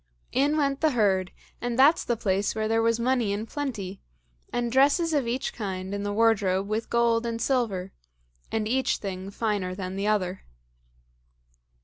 In went the herd, and that's the place where there was money in plenty, and dresses of each kind in the wardrobe with gold and silver, and each thing finer than the other.